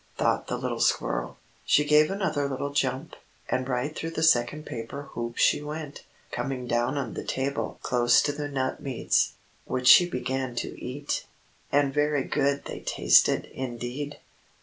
thought the little squirrel. She gave another little jump, and right through the second paper hoop she went, coming down on the table close to the nut meats, which she began to eat; and very good they tasted, indeed.